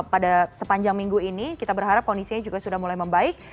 pada sepanjang minggu ini kita berharap kondisinya juga sudah mulai membaik